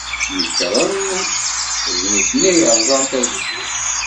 Nekṛen d nitni ay yerẓan tazewwut.